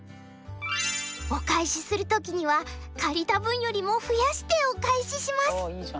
お返しするときには借りた分よりも増やしてお返しします」。